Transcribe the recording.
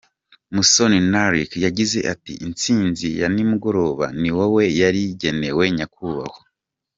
Musoni Narc yagize ati “Intsinzi ya nimugoroba ni wowe yari igenewe nyakubahwa.